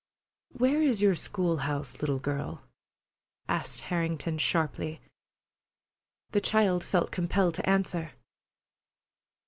"Where is your school house, little girl?" asked Harrington sharply. The child felt compelled to answer.